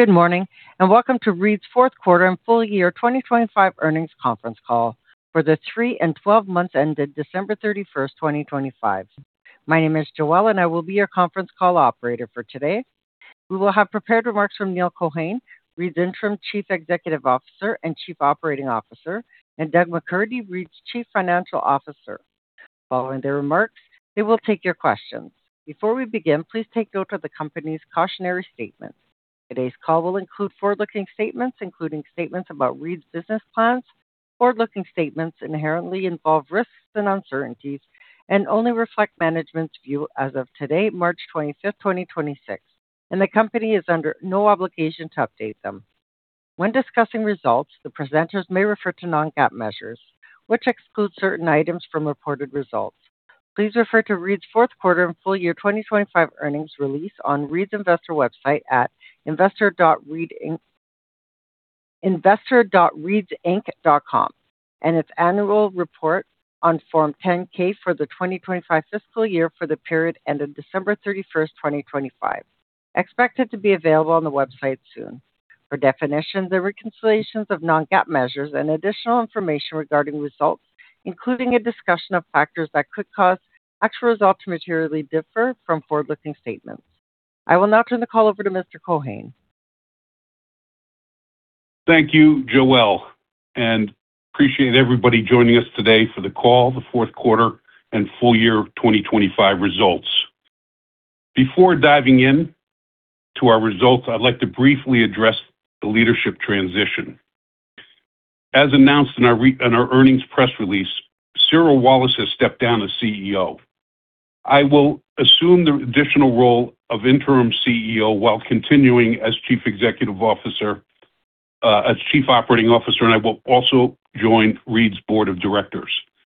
Good morning, and welcome to Reed's Fourth Quarter and Full Year 2025 Earnings Conference Call for the three and twelve months ended December 31, 2025. My name is Joelle, and I will be your conference call operator for today. We will have prepared remarks from Neal Cohane, Reed's Interim Chief Executive Officer and Chief Operating Officer, and Douglas McCurdy, Reed's Chief Financial Officer. Following their remarks, they will take your questions. Before we begin, please take note of the company's cautionary statement. Today's call will include forward-looking statements, including statements about Reed's business plans. Forward-looking statements inherently involve risks and uncertainties and only reflect management's view as of today, March 25, 2026, and the company is under no obligation to update them. When discussing results, the presenters may refer to non-GAAP measures, which excludes certain items from reported results. Please refer to Reed's fourth quarter and full year 2025 earnings release on Reed's Investor website at investor.reedsinc.com and its annual report on Form 10-K for the 2025 fiscal year for the period ending December 31, 2025, expected to be available on the website soon, for definitions and reconciliations of non-GAAP measures and additional information regarding results, including a discussion of factors that could cause actual results to materially differ from forward-looking statements. I will now turn the call over to Mr. Cohane. Thank you, Joelle, and appreciate everybody joining us today for the call, the fourth quarter and full year 2025 results. Before diving in to our results, I'd like to briefly address the leadership transition. As announced in our earnings press release, Cyril Wallace has stepped down as CEO. I will assume the additional role of interim CEO while continuing as Chief Executive Officer, as Chief Operating Officer, and I will also join Reed's Board of Directors.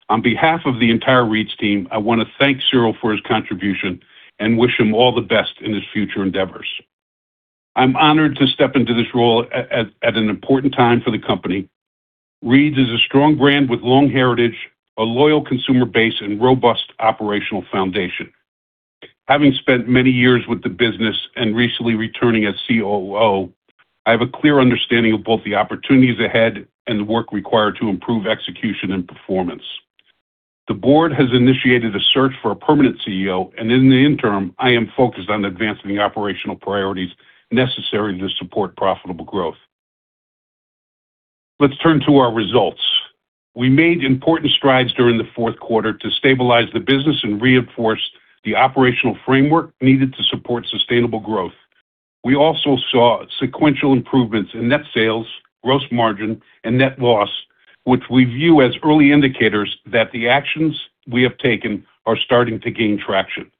On behalf of the entire Reed's team, I want to thank Cyril for his contribution and wish him all the best in his future endeavors. I'm honored to step into this role at an important time for the company. Reed's is a strong brand with long heritage, a loyal consumer base, and robust operational foundation. Having spent many years with the business and recently returning as COO, I have a clear understanding of both the opportunities ahead and the work required to improve execution and performance. The board has initiated a search for a permanent CEO, and in the interim, I am focused on advancing the operational priorities necessary to support profitable growth. Let's turn to our results. We made important strides during the fourth quarter to stabilize the business and reinforce the operational framework needed to support sustainable growth. We also saw sequential improvements in net sales, gross margin, and net loss, which we view as early indicators that the actions we have taken are starting to gain traction.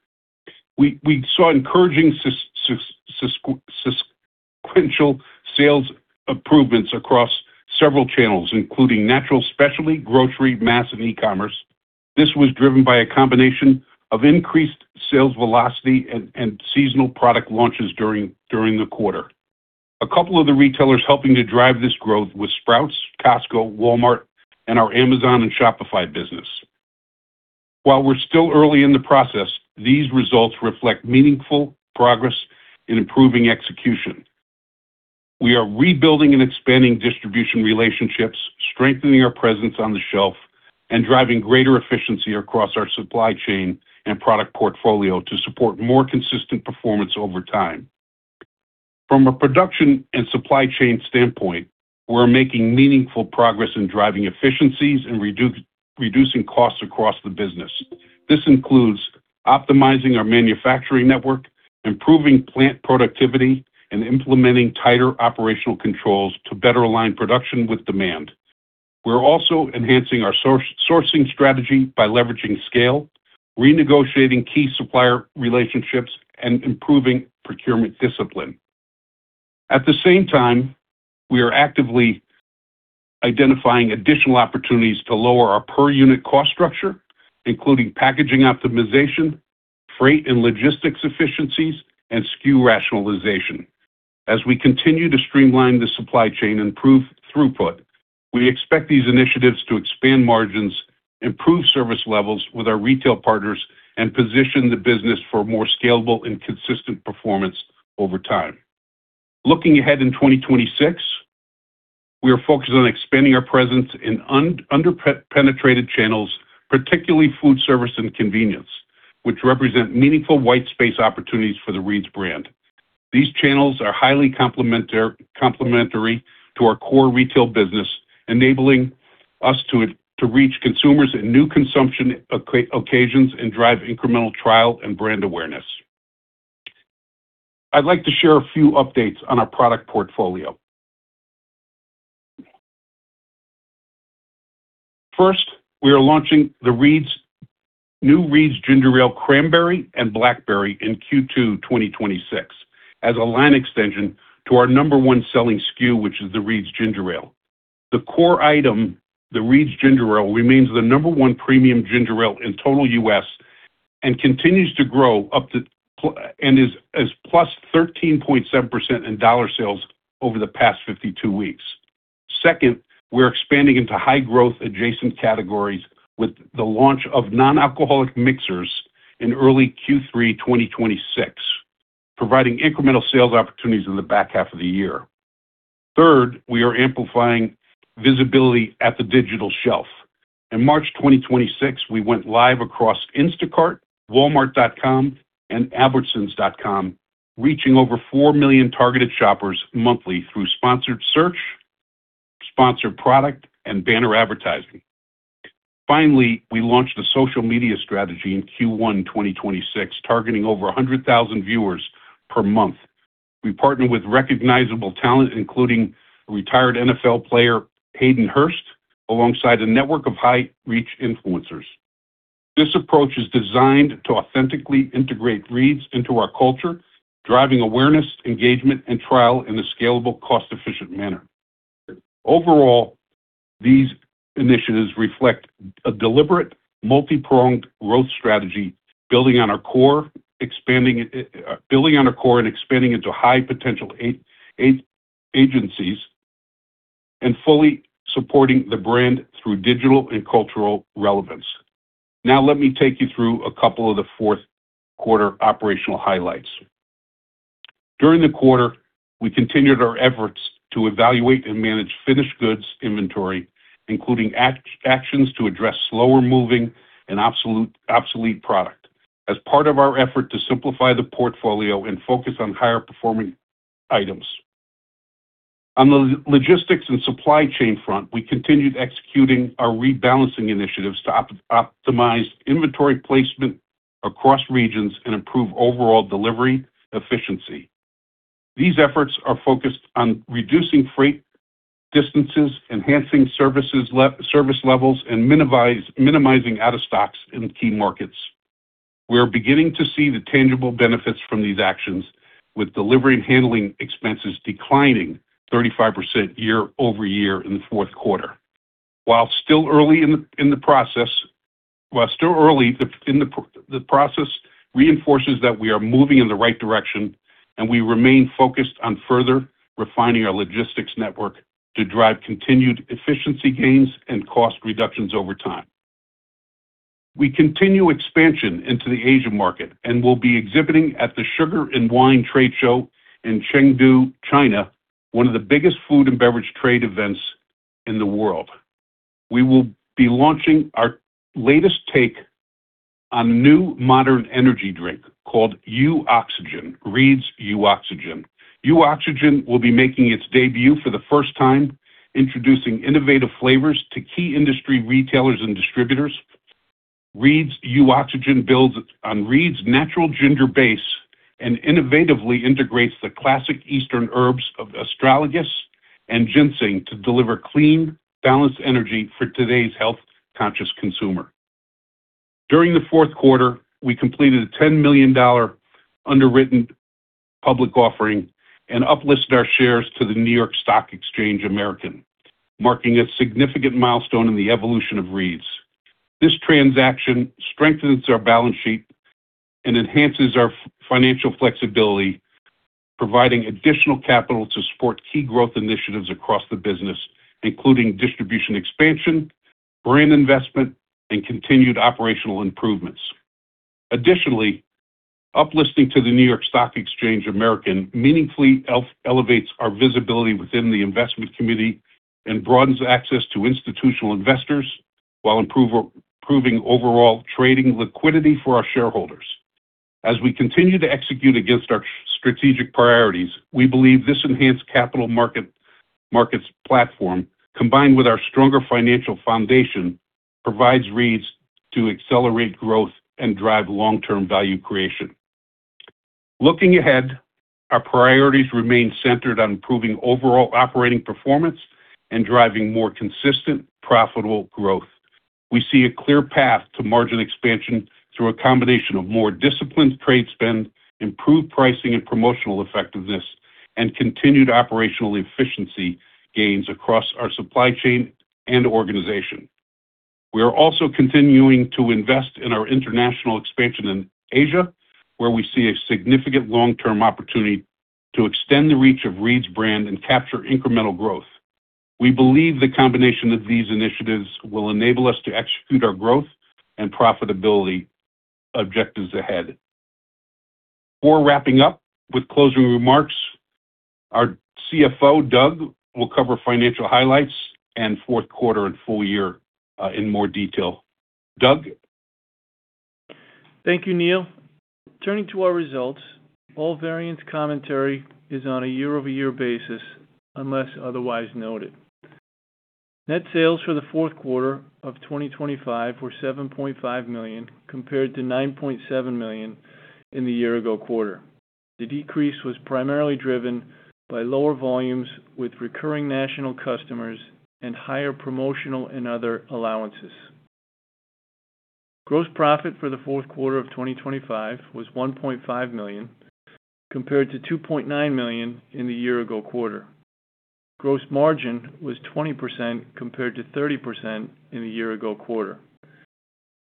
We saw encouraging signs of sequential sales improvements across several channels, including natural, specialty, grocery, mass, and e-commerce. This was driven by a combination of increased sales velocity and seasonal product launches during the quarter. A couple of the retailers helping to drive this growth was Sprouts, Costco, Walmart, and our Amazon and Shopify business. While we're still early in the process, these results reflect meaningful progress in improving execution. We are rebuilding and expanding distribution relationships, strengthening our presence on the shelf, and driving greater efficiency across our supply chain and product portfolio to support more consistent performance over time. From a production and supply chain standpoint, we're making meaningful progress in driving efficiencies and reducing costs across the business. This includes optimizing our manufacturing network, improving plant productivity, and implementing tighter operational controls to better align production with demand. We're also enhancing our sourcing strategy by leveraging scale, renegotiating key supplier relationships, and improving procurement discipline. At the same time, we are actively identifying additional opportunities to lower our per unit cost structure, including packaging optimization, freight and logistics efficiencies, and SKU rationalization. As we continue to streamline the supply chain, improve throughput, we expect these initiatives to expand margins, improve service levels with our retail partners, and position the business for more scalable and consistent performance over time. Looking ahead in 2026, we are focused on expanding our presence in underpenetrated channels, particularly food service and convenience, which represent meaningful white space opportunities for the Reed's brand. These channels are highly complementary to our core retail business, enabling us to reach consumers in new consumption occasions and drive incremental trial and brand awareness. I'd like to share a few updates on our product portfolio. First, we are launching the new Reed's Ginger Ale Cranberry and Blackberry in Q2 2026 as a line extension to our number one selling SKU, which is the Reed's Ginger Ale. The core item, the Reed's Ginger Ale, remains the number one premium ginger ale in total U.S. and continues to grow and is +13.7% in dollar sales over the past 52 weeks. Second, we're expanding into high growth adjacent categories with the launch of non-alcoholic mixers in early Q3 2026, providing incremental sales opportunities in the back half of the year. Third, we are amplifying visibility at the digital shelf. In March 2026, we went live across Instacart, walmart.com, and Albertsons.com, reaching over four million targeted shoppers monthly through sponsored search, sponsored product, and banner advertising. Finally, we launched a social media strategy in Q1 2026, targeting over 100,000 viewers per month. We partnered with recognizable talent, including retired NFL player Hayden Hurst, alongside a network of high reach influencers. This approach is designed to authentically integrate Reed's into our culture, driving awareness, engagement, and trial in a scalable, cost-efficient manner. Overall, these initiatives reflect a deliberate multi-pronged growth strategy building on our core and expanding into high potential agencies and fully supporting the brand through digital and cultural relevance. Now let me take you through a couple of the fourth quarter operational highlights. During the quarter, we continued our efforts to evaluate and manage finished goods inventory, including actions to address slower moving and obsolete product as part of our effort to simplify the portfolio and focus on higher performing items. On the logistics and supply chain front, we continued executing our rebalancing initiatives to optimize inventory placement across regions and improve overall delivery efficiency. These efforts are focused on reducing freight distances, enhancing service levels, and minimizing out of stocks in key markets. We are beginning to see the tangible benefits from these actions with delivery and handling expenses declining 35% year-over-year in the fourth quarter. While still early in the process, it reinforces that we are moving in the right direction and we remain focused on further refining our logistics network to drive continued efficiency gains and cost reductions over time. We continue expansion into the Asian market and will be exhibiting at the Sugar and Wine Trade Show in Chengdu, China, one of the biggest food and beverage trade events in the world. We will be launching our latest take on new modern energy drink called U Oxygen, Reed's U Oxygen. U Oxygen will be making its debut for the first time, introducing innovative flavors to key industry retailers and distributors. Reed's U Oxygen builds on Reed's natural ginger base and innovatively integrates the classic eastern herbs of astragalus and ginseng to deliver clean, balanced energy for today's health conscious consumer. During the fourth quarter, we completed a $10 million underwritten public offering and uplisted our shares to the NYSE American, marking a significant milestone in the evolution of Reed's. This transaction strengthens our balance sheet and enhances our financial flexibility, providing additional capital to support key growth initiatives across the business, including distribution expansion, brand investment, and continued operational improvements. Additionally, uplisting to the New York Stock Exchange American meaningfully elevates our visibility within the investment community and broadens access to institutional investors while improving overall trading liquidity for our shareholders. As we continue to execute against our strategic priorities, we believe this enhanced capital markets platform, combined with our stronger financial foundation, provides Reed's to accelerate growth and drive long-term value creation. Looking ahead, our priorities remain centered on improving overall operating performance and driving more consistent, profitable growth. We see a clear path to margin expansion through a combination of more disciplined trade spend, improved pricing and promotional effectiveness, and continued operational efficiency gains across our supply chain and organization. We are also continuing to invest in our international expansion in Asia, where we see a significant long-term opportunity to extend the reach of Reed's brand and capture incremental growth. We believe the combination of these initiatives will enable us to execute our growth and profitability objectives ahead. Before wrapping up with closing remarks, our CFO, Doug, will cover financial highlights and fourth quarter and full year in more detail. Doug? Thank you, Neal. Turning to our results, all variance commentary is on a year-over-year basis unless otherwise noted. Net sales for the fourth quarter of 2025 were $7.5 million compared to $9.7 million in the year-ago quarter. The decrease was primarily driven by lower volumes with recurring national customers and higher promotional and other allowances. Gross profit for the fourth quarter of 2025 was $1.5 million compared to $2.9 million in the year-ago quarter. Gross margin was 20% compared to 30% in the year-ago quarter.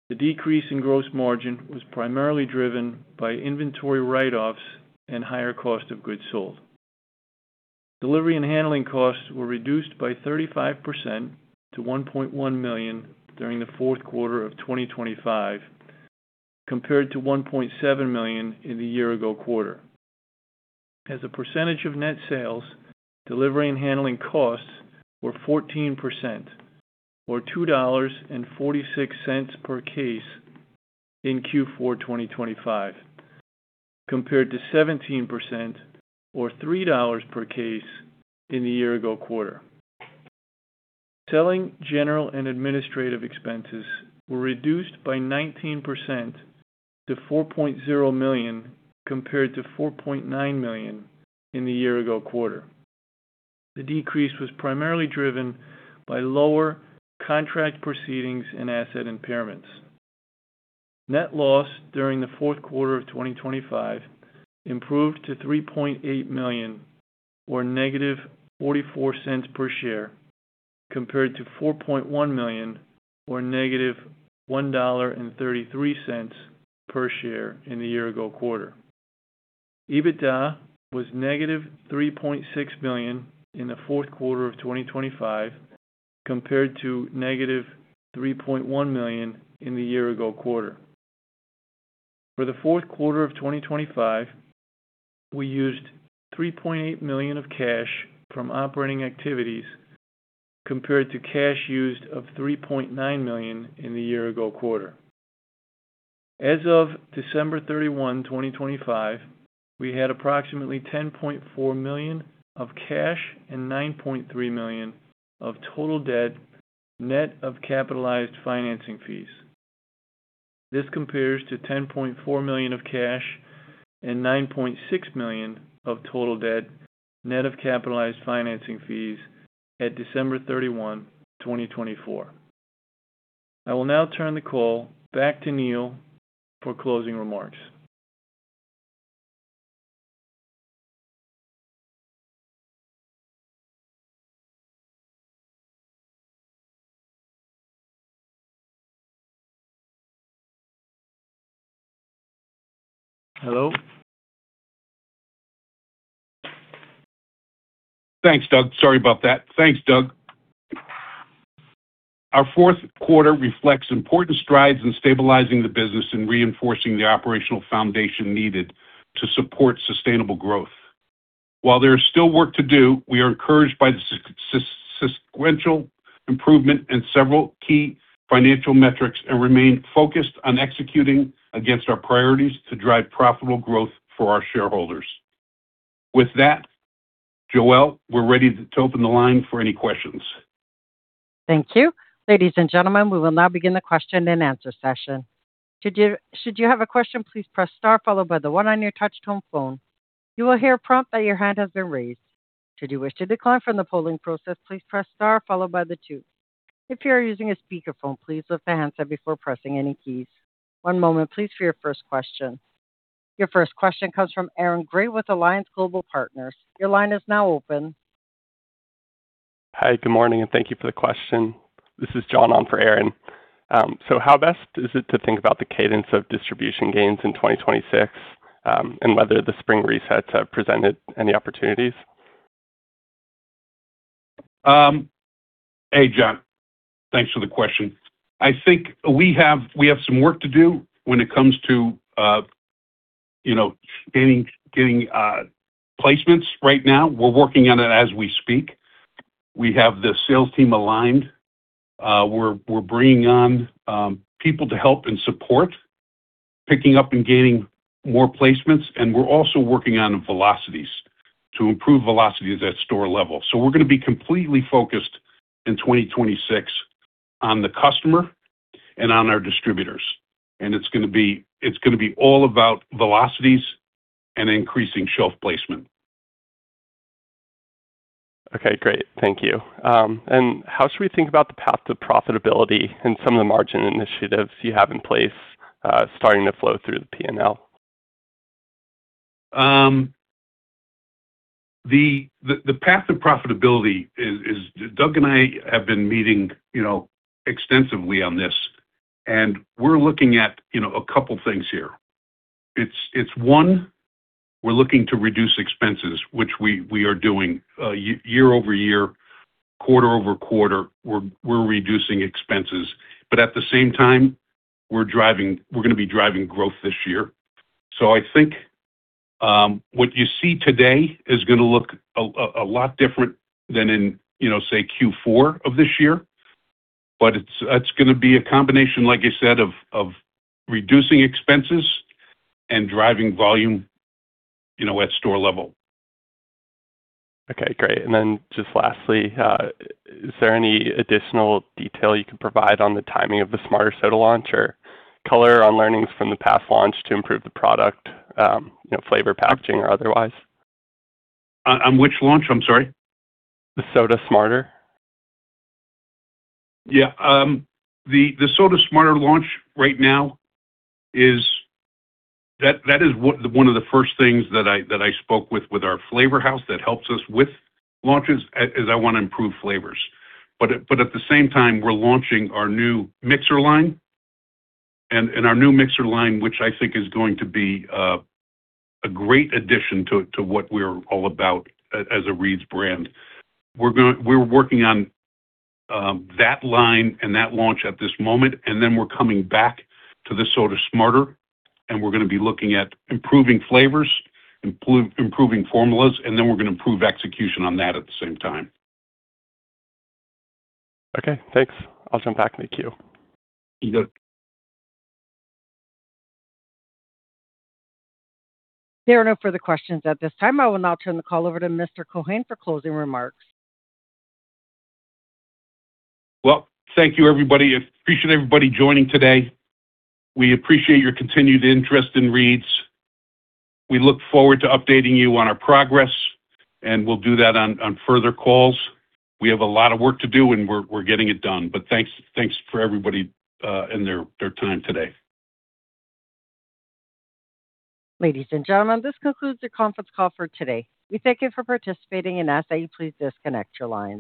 The decrease in gross margin was primarily driven by inventory write-offs and higher cost of goods sold. Delivery and handling costs were reduced by 35% to $1.1 million during the fourth quarter of 2025, compared to $1.7 million in the year-ago quarter. As a percentage of net sales, delivery and handling costs were 14% or $2.46 per case in Q4 2025, compared to 17% or $3 per case in the year ago quarter. Selling, general and administrative expenses were reduced by 19% to $4.0 million, compared to $4.9 million in the year ago quarter. The decrease was primarily driven by lower contract proceedings and asset impairments. Net loss during the fourth quarter of 2025 improved to $3.8 million or -$0.44 per share, compared to $4.1 million or -$1.33 per share in the year ago quarter. EBITDA was -$3.6 million in the fourth quarter of 2025, compared to -$3.1 million in the year ago quarter. For the fourth quarter of 2025, we used $3.8 million of cash from operating activities compared to cash used of $3.9 million in the year ago quarter. As of December 31, 2025, we had approximately $10.4 million of cash and $9.3 million of total debt, net of capitalized financing fees. This compares to $10.4 million of cash and $9.6 million of total debt, net of capitalized financing fees at December 31, 2024. I will now turn the call back to Neal for closing remarks. Hello? Thanks, Doug. Sorry about that. Our fourth quarter reflects important strides in stabilizing the business and reinforcing the operational foundation needed to support sustainable growth. While there is still work to do, we are encouraged by the sequential improvement in several key financial metrics and remain focused on executing against our priorities to drive profitable growth for our shareholders. With that, Joelle, we're ready to open the line for any questions. Thank you. Ladies and gentlemen, we will now begin the question and answer session. Should you have a question, please press star followed by the one on your touch tone phone. You will hear a prompt that your hand has been raised. Should you wish to decline from the polling process, please press star followed by the two. If you are using a speakerphone, please lift the handset before pressing any keys. One moment, please, for your first question. Your first question comes from Aaron Grey with Alliance Global Partners. Your line is now open. Hi. Good morning, and thank you for the question. This is John on for Aaron. How best is it to think about the cadence of distribution gains in 2026, and whether the spring resets have presented any opportunities? Hey, John. Thanks for the question. I think we have some work to do when it comes to you know, getting placements right now. We're working on it as we speak. We have the sales team aligned. We're bringing on people to help and support, picking up and gaining more placements. We're also working on velocities to improve velocities at store level. We're going to be completely focused in 2026 on the customer and on our distributors. It's going to be all about velocities and increasing shelf placement. Okay, great. Thank you. How should we think about the path to profitability and some of the margin initiatives you have in place, starting to flow through the P&L? The path to profitability is. Doug and I have been meeting, you know, extensively on this, and we're looking at, you know, a couple things here. It's one, we're looking to reduce expenses, which we are doing. Year-over-year, quarter-over-quarter, we're reducing expenses. At the same time, we're going to be driving growth this year. I think what you see today is going to look a lot different than in, you know, say Q4 of this year. It's going to be a combination, like I said, of reducing expenses and driving volume, you know, at store level. Okay, great. Just lastly, is there any additional detail you can provide on the timing of the Smarter Soda launch or color on learnings from the past launch to improve the product, you know, flavor, packaging or otherwise? On which launch? I'm sorry. The Soda Smarter. Yeah. The Soda Smarter launch right now is that is one of the first things that I spoke with our flavor house that helps us with launches is I want to improve flavors. At the same time, we're launching our new mixer line, which I think is going to be a great addition to what we're all about as a Reed's brand. We're working on that line and that launch at this moment, and then we're coming back to the Soda Smarter, and we're going to be looking at improving flavors, improving formulas, and then we're going to improve execution on that at the same time. Okay, thanks. I'll jump back in the queue. You got it. There are no further questions at this time. I will now turn the call over to Mr. Cohane for closing remarks. Well, thank you, everybody. Appreciate everybody joining today. We appreciate your continued interest in Reed's. We look forward to updating you on our progress, and we'll do that on further calls. We have a lot of work to do, and we're getting it done. Thanks for everybody and their time today. Ladies and gentlemen, this concludes your conference call for today. We thank you for participating and ask that you please disconnect your line.